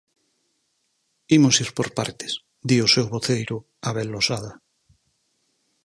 "Imos ir por partes", di o seu voceiro, Abel Losada.